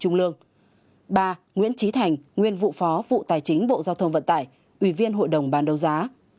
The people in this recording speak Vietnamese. ba nguyễn trí thành nguyên vụ phó vụ tài chính bộ giao thông vận tải ủy viên hội đồng bán đấu giá